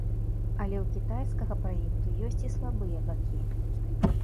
Але ў кітайскага праекту ёсць і слабыя бакі.